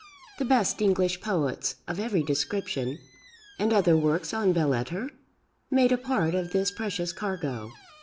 The best English poets, of every description, and other works on belles lettres, made a part of this precious cargo.